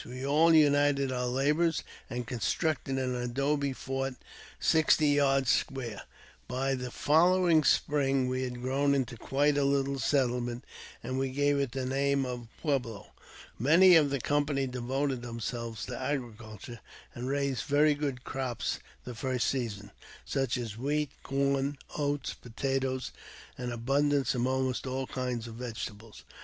We all united our labours, and constructed an adobe fort sixty yards square. By the following spring we had grown into quite a little settle ment, and we gave it the name of Pueblo. Many of the company devoted themselves to agriculture, and raised very good crops the first season, such as wheat, corn, oats, potatoes, and abundance of almost all kinds of vegetables.